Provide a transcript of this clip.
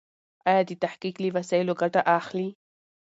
ايا ته د تحقيق له وسایلو ګټه اخلې؟